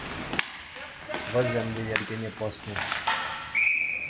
Вӗсем те йӗркене пӑснӑ.